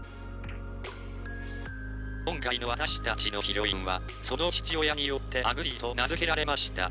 「今回の私たちのヒロインはその父親によって『あぐり』と名付けられました」。